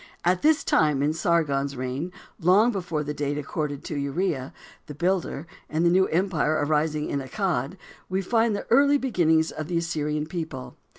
At this time in Sargon's reign, long before the date accorded to Urea, The Builder, in the new empire arising in Accad, we find the early beginnings of the Assyrian people.